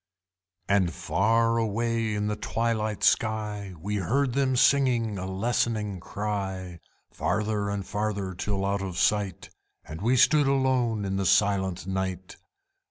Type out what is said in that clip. And far away in the twilight sky We heard them singing a lessening cry, Farther and farther, till out of sight, And we stood alone in the silent night!